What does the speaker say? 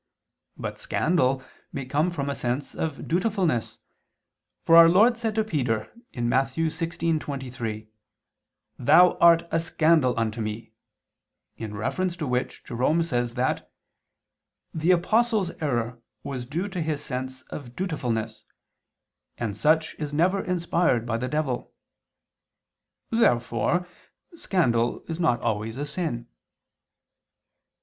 But scandal may come from a sense of dutifulness, for Our Lord said to Peter (Matt. 16:23): "Thou art a scandal unto Me," in reference to which words Jerome says that "the Apostle's error was due to his sense of dutifulness, and such is never inspired by the devil." Therefore scandal is not always a sin.